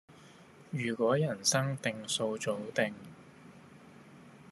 如果人生定數早定